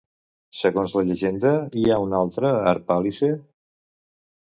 Segons la llegenda hi ha una altra Harpàlice?